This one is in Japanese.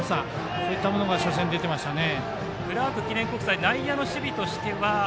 そういったものが初戦に出てましたね。